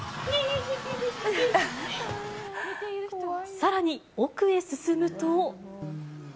さらに、奥へ進むと。